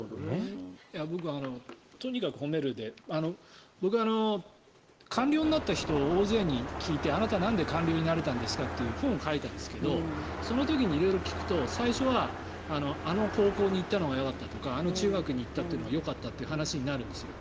とにかく褒めるで僕は官僚になった人大勢に聞いてあなた、なんで官僚になれたんですか？という本を書いたんですけどその時に色々と聞くと最初はあの高校に行ったのがよかったとかあの中学に行ったというのがよかったという話になるんですよ